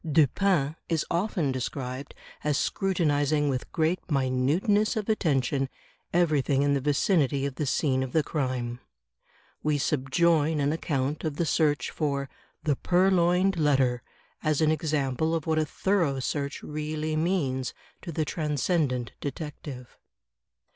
Dupin is often described as scrutinizing with great minuteness of attention everything in the vicinity of the scene of the crime. We subjoin an accoimt of the search for "The Purloined Letter," as an example of what a thorough search really means to the Transcendent Detect ive.